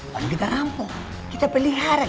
baru kita rampok kita pelihara